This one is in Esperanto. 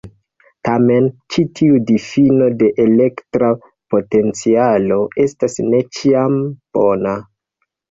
Tamen, ĉi tiu difino de elektra potencialo estas ne ĉiam bona.